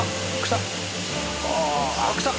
草！